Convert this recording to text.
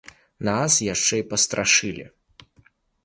Нас яшчэ і пастрашылі.